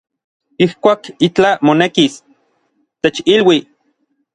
Ijkuak itlaj monekis, techilui.